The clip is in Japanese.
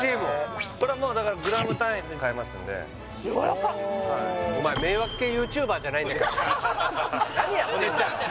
これはもうだからグラム単位で買えますんでやわらかいお前迷惑系ＹｏｕＴｕｂｅｒじゃないんだからお前何やってんだよ